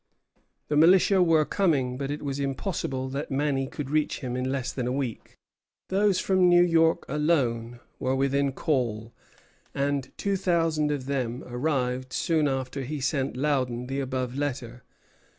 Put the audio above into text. The militia were coming; but it was impossible that many could reach him in less than a week. Those from New York alone were within call, and two thousand of them arrived soon after he sent Loudon the above letter.